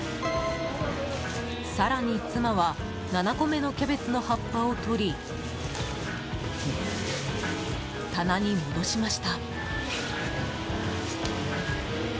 更に妻は、７個目のキャベツの葉っぱを取り、棚に戻しました。